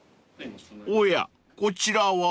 ［おやこちらは？］